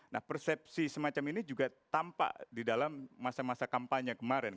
nah persepsi semacam ini juga tampak di dalam masa masa kampanye kemarin